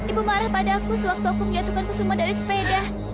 ibu marah padaku sewaktu aku menjatuhkan kusuma dari sepeda